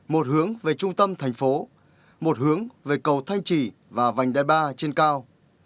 một hướng về trung tâm thành phố một hướng về cầu thanh trì và vành đai ba trên cao